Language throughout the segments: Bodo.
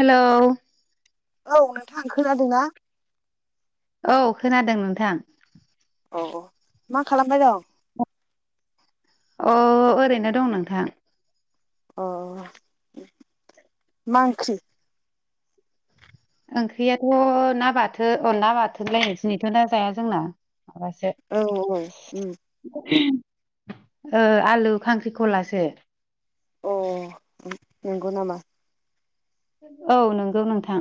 हेलौ औ नोंथां खोनादोंना? औ खोनादों नोंथां, औ औ मा खालामबाय दं, अ ओरैनो दं नोंथां अ मा ओंख्रि? ओंख्रैयाथ' ना बाथोन अ ना बाथोनलायनो दिनैथ' ना जाया जोंना, औ औ उम [unintelligible] ओ आलु खांख्रिखलासो, अ नंगौ नामा? औ नंगौ नोंथां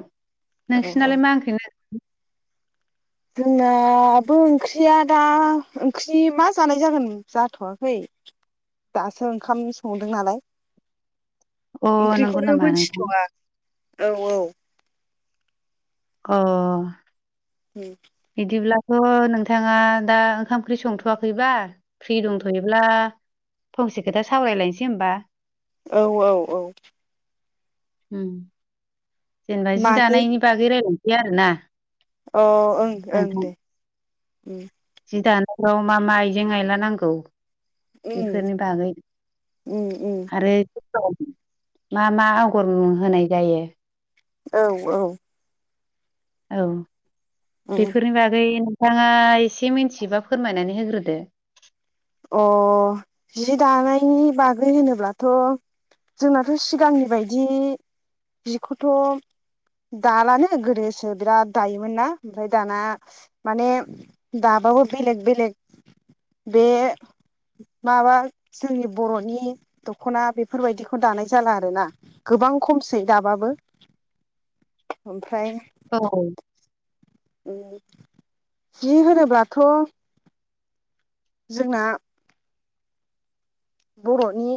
औ औ नोंसिनालाय मा ओंख्रै जोंनाबो ओंख्रिया दा ओंख्रि मा जानाय जागोन जाथ'वाखै दासो ओंखाम संदों नालाय, अ नंगौ ओंख्रिखौनो नामा नोंथां मोनथिथ'वा औ औ अ उम बिदिब्लाथ' नोंथाङा दा ओंखाम ओंख्रि संथ'वाखैबा फ्रि दंथ'योब्ला, फंसे खोथा सावरायलायनोसै होमबा, औ औ औ होम जेनेबा जि मानि दानायनि बागै रायजलायसै आरो ना? अ ओं ओं दे जि दानायाव मा मा आइजें आयला नांगौ, उम बेफोरनि बागै उम उम आरो मा मा आगर होनाय जायो। औ औ औ उम बेफोरनि बागै, नोंथाङा एसे मिथिबा फोरमायनानै होग्रोदो, अ जि दानायनि बागै होनोब्लाथ', जोंनाथ' सिगांनि बायदि जिखौथ' दालानो गोदोसो बिराद दायोमोन ना ओमफ्राय दाना माने दाब, माबाबो बेलेग बेलेग बे, माबा जोंनि बर'नि दख'ना बेफोरबायदिखौ दानाय जाला आर ना गोबां खमसै दाबाबो ओमफ्राय, औ जि होनोब्लाथ' जोंना, बर'नि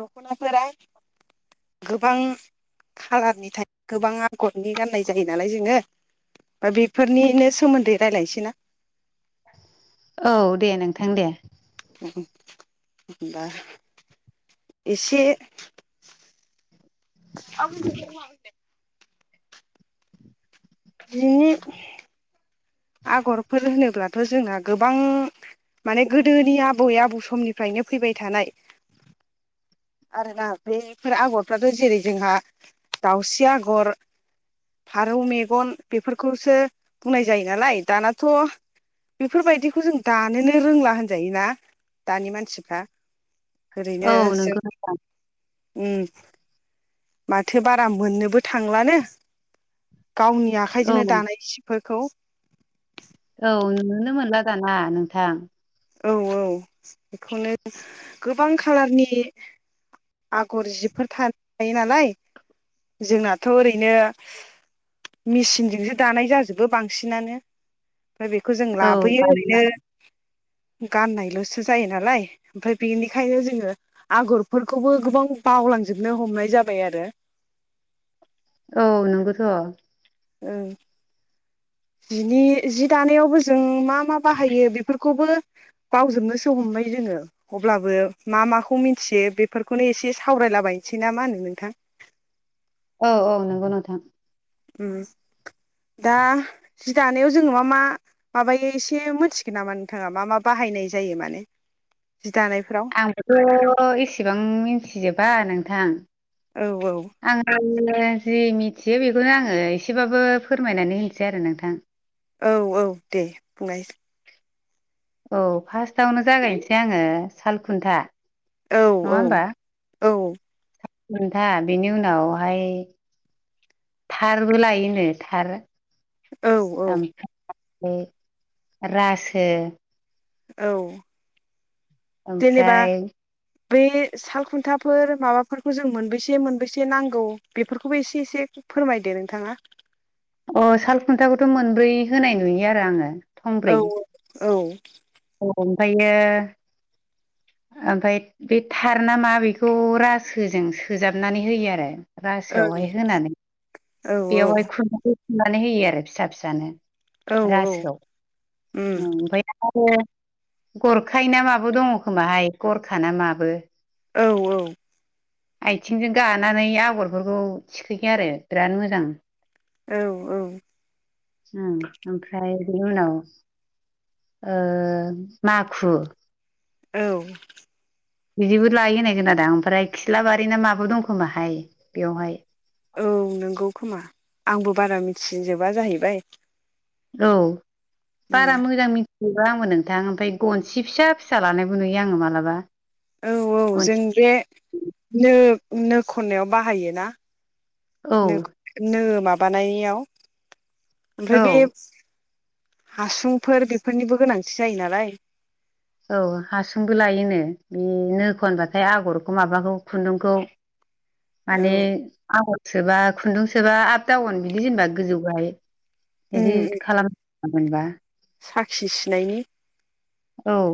दख'नाफोरा, गोबां खाालारनि थायो गोबां आगरनि गाननाय जायो नालाय जोङो। बा बेफोरनिनो सोमोन्दै रायजलायनोसै ना। औ दे नोंथां दे। होनबा एसे [unintelligible] जिनि आगरफोर होनोब्लाथ' जोंना गोबां माने गोदोनि आबै आबौ समनिफ्रायनो फैबाय थानाय आरोना बेफोर आगरफ्राथ' जेरै जोंहा दाउस्रि आगर फारौ मेगन बेफोरखौसो बुंनाय जायो नालाय दानाथ' बेफोरबायदिखौ जों दानोनो रोंला होनजाय ना दानि मानसिफ्रा औ ओरैनो जों नोंगौ माथो बारा मोननोबो थांलानो। गावनि औ आखाइजोंनो दानाय सिफोरखौ औ नुोनो मोनला दाना नोंथां। औ औ बेखौनो गोबां खालारनि आगर जिबफोर थायो नालाय जोंनाथ' ओरैनो। मेसिनजोंसो दानाय जाजोबो बांसिनानो। ओमफ्राय बेखौ जों औ लाबोयो दानिया ओरैनो गाननायलसो जायो नालाय, ओमफ्राय बेनिखायनो जोङो आगरफोरखौबो गोबां बावलांजोबनो हमनाय जाबाय आरो। औ नंगौथ'। ओ जिनि जि दानायावबो जों मा मा बाहायो बेफोरखौबो बावजोबनोसो हमनाय जों ङो अब्लाबो मा माखौ मिथियो बेफोरखौनो इसे सावरायलाबायनोसै ना मा होनो नोंथां। [inaudible] औ औ नोंगौ नोंथां। औ दा जि दानायाव जोङो मा मा माबायो इसे मिथिगोन नामा नोंथाङा मा मा बाहाय हायनाय जायो माने। जि दानायफ्राव आंबोथ' एसेबां मिथिजोबा नोंथां। औ औ आङो जि मिथियो बेखौनो आङो एसेबाबो फोरमायनानै होनसै आरो नोंथां। औ औ दे बुंनायसै औ फार्स्टआवनो जागायनोसै आङो सालखुन्था। औ औ औ खन्था बिनि उनावहाय थारबो लायोनो थार औ औ ओमफ्राय रासो औ ओमफ्राय बै साल खुन्थाफोर माबाफोरखौ जों मोनबेैसे मोनबैसे नांगौ बेफोरखौबो एसे एसे फोरमायदो नोंथाङा। अ सालखुन्थाखौथ' मोनब्रै होनाय नुयो आरो आङो। औ औ औ ओमफ्रायनो [unintelligible] ओमफ्राय बे थार ना मा बेखौ रासोजों सोजाबनानै होयो आरो। औ रासोआवहाय होनानै बेयावहाय औ खुननानै [unintelligible] होयो आरो फिसा फिसानो औ औ रासोआव उम ओमफ्राय आरो गरखाय ना माबो दङ खोमाहाय गरखा ना माबो। औ औ। आयथिंजों गानानै आगरफोरखौ थिखोयो आरो बिराद मोजां। औ औ। ओमफ्राय बेनि उनाव ओ माखु औ। बिदिबो लायो होनाय खोनादां ओमफ्राय खिलाबारि ना माबो दंखोमाहाय बेयावहाय औ नंगौ खोमा आंबो बारा मिथिजोबा जाहैबाय। औ उम बारा मोजां मिथि बेब आंबो नोंथां ओमफ्राय गनसि फिसा फिसा लानायबो नुयो आङो मालाबा औ औ जों गनसि बे नो नो खननायाव बाहायो ना। औ नो माबानायाव ओमफ्राय औ बे हासुंफोर बेफोरनिबो गोनांथि जायो नालाय। औ हासुंबो लायोनो बे नो खनबाथाय आगरखौ माबाखौ खुन्दुंखौ औ माने आगर सोबा खुन्दुं सोबा आप दाउन बिदि जेनेबा गोजौ गाय बिदि उम खालाम। थामहिनबा साखि सुनायनि औ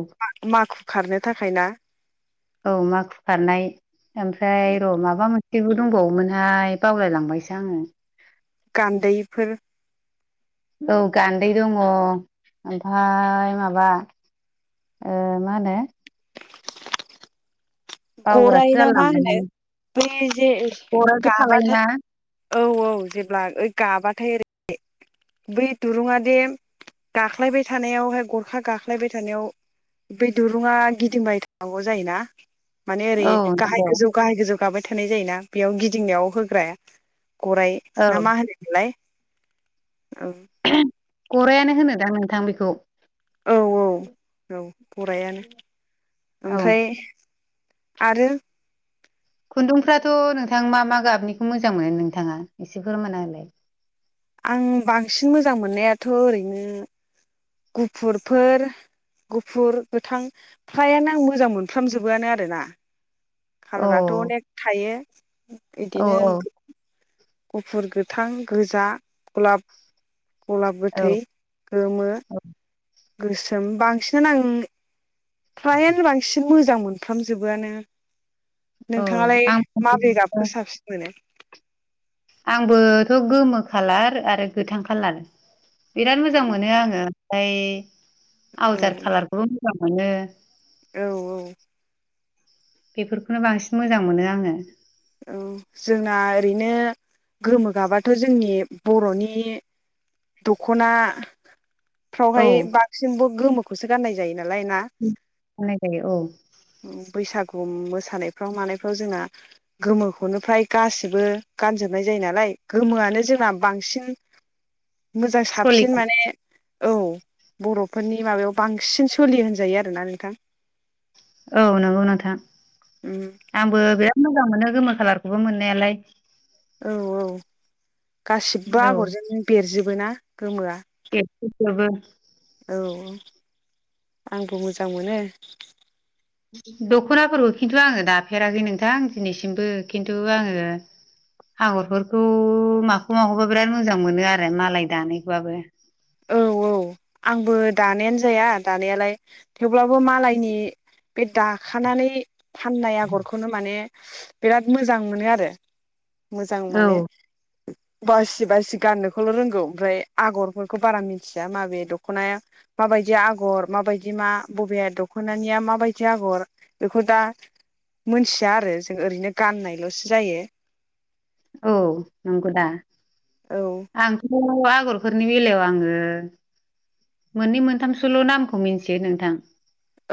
माखु खारनो थाखाय ना। औ माखु खारनाय ओमफ्राय र' माबा मोन। थेवबो दंबावोमोनहाय बावलाय लांबायसो आङो गान्दैफोर। औ गान्दै दङ ओमफाय माबा ओ मा होनो बावग्रासो गराय ना मा होनो जालायलांबायहाय बै जे गरायबो गाबाथाय थालायोना औ औ जेब्ला ओइ गाबाथाय बै दुरुङादे गाख्लायबाय थानायावहाय गरखा गाख्लायबाय थानायाव बे दुरुंङा गिदिंबाय थानांगौ जायोना। माने ओरै औ गाहाय नंगौ गोजौ गाहाय गोजौ गाबाय थानाय जायोना बेयाव गिदिंनायाव होग्राया गराय औ ना मा होनो मोनलाय। औ। गरायानो होनो दां नोंथां बेखौ। औ औ औ गरायानो औ ओमफ्राय आरो खुन्दुंफ्राथ' नोंथां मा मा गाबनिखौ मोजां मोनो नोंथाङा एसे फोरमायना होलाय। आं बांसिन मोजां मोननायाथ' ओरैनो गुफुरफोर गुफुर गोथां फ्रायानो आं मोजां मोनफ्रामजोबोआनो आरोना। औ कालाराथ' अनेक थायो। औ इदिनो। गुफुर गोथां गोजा गलाब गलाब औ गोथै गोमो औ गोसोम बांसिनानो आं फ्रायानो बांसिन मोजां मोनफ्रामजोबोआनो। औ नोंथाङालाय आं माबे गाबखौ साबसिन मोनो। आंबोथ' गोमो खालार आरो गोथां खालार बिराद मोजां मोनो आङो ओमफ्राय औ आवजार खालारखौबो मोजां मोनो। औ औ। बेफोरखौनो बांसिन मोजां मोनो आङो। औ जोंना ओरैनो। गोमो गाबाथ' जोंनि बर'नि दख'ना औ फ्रावहाय बांसिनबो गोमोखौसो गाननाय जायो। नालाय ना? गाननाय जायो औ [inaudible] बैसाग ओम मोसानायफ्राव मानायफ्राव जोंना गोमोखौनो फ्राय गासिबो गानजोबनाय जायो नालाय गोमोआनो जोंना बांसिन मोजां सलि साबसिन माने औ बर'फोरनि माबायाव बांसिन सोलि होनजायो आरोना नोंथां। औ नंगौ नोंथां। उम आंबो बे मोजां मोनो गोमो खाालारखौबो मोननायालाय औ औ, गासिबो औ आगरजों नों बेरजोबो ना गोमोआ। [unintelligible] औ औ [inaudible] आंबो मोजां मोनो। दख'नाफोरखौ खिन्थु आङो दाफेराखै नोंथां दिनैसिमबो खिन्थु आङो आगरफोरखौ माखौ माखौबा बिराद मोजां मोनो आरो मालाय दानायबाबो। औ औ आंबो दानायानो जाया दानायालाय थेवब्लाबो मालायनि बे दाखानानै फाननाय आगरखौनो माने बिराद मोजां मोनो आरो। मोजां औ माने बासि बासि गाननोखौल' रोंगौ ओमफ्राय आगरफोर बारा मिथिया माबे दख'नाय माबायदि आगर माबायदि मा बबे दख'नानिया मा माबायदि आगर बेखौ दा मोनथिया आरो जों ओरैनो गाननायल'सो जायो। औ नंगौ दा। औ आंथ' आगरफोरनि बेलायाव आङो मोननै मोनथामसोल' नामखौ मिथियो नोंथां।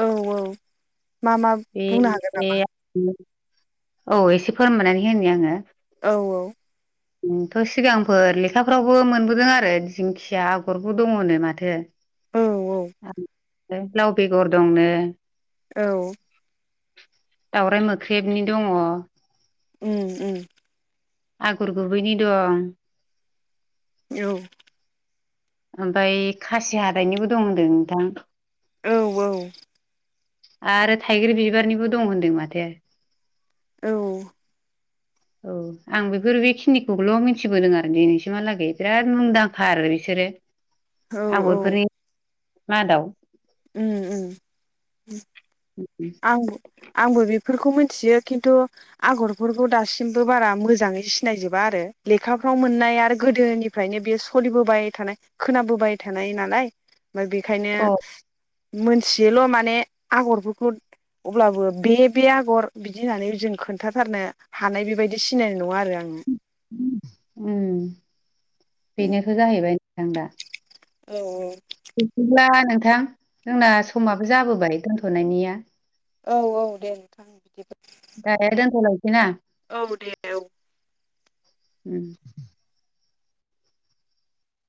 औ औ मा मा [inaudible] बुंनो हागोन बे [unintelligible] औ एसे फोरमायनानै होनो आङो। औ औ नोंथ' सिगांफोर लेखाफ्रावबो मोनबोदों आरो दिंखिया आगरबो दङनो माथो। औ [inaudible] लाव बेगर दंनो। औ दावराइ मोख्रेबनि दङ उम उम आगर गुबैनि दं औ ओमफ्राय खासि हाथायनिबो दं होनदों नोंथां। औ औ आरो थाइगिर बिबारनिबो दं होनदों माथो। औ औ आं बेफोर बेखिनिखौल' मिथिबोदों आरो दिनैसिमहालागै बिराद मुंदांखा आरो बिसोरो। औ औ आगरफोरनि मादाव उम उम आंब आंबो बि फोरखौ मिथियो खिन्थु आगरफोरखौ दासिमबो बारा मोजाङै सिनायजोबा आरो लेखा फ्राव मोननाय आरो गोदोनिफ्रायनो बेयो सोलिबोबाय थानाय खोनाबोबाय थानाय नालाय। ओमफ्राय बेखायनो अ मोनथियोल' माने आगरफोरखौ अब्लाबो बे बे आगर बिदि होननानै जों खोन्थाथारनो हानाय बेबायदि सिनाय नङा आरो आङो उम बेनोथ' जाहैबाय नोंथां दा। औ औ बिदिब्ला नोंथां जोंना समाबो जाबोबाय दोनथ'नायनिया। औ औ दे नोंथां बिदिबा दायो दोनथ'लायसै ना औ दे औ उम।